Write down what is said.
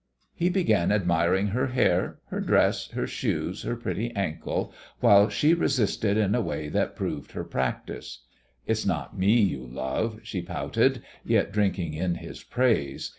He began admiring her hair, her dress, her shoes, her pretty ankles, while she resisted in a way that proved her practice. "It's not me you love," she pouted, yet drinking in his praise.